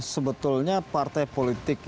sebetulnya partai politik